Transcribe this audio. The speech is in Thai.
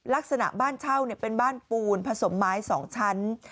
ลักษณะบ้านเช่าเป็นบ้านปูนผสมไม้๒ชั้น